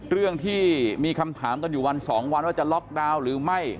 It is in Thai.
เรื่องที่มีคำถามกันอยู่วันสองวันว่าจะล็อกดาวน์หรือไม่